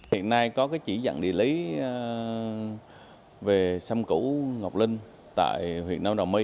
hiện nay có chỉ dẫn địa lý về sâm cũ ngọc linh tại huyện nam đồng my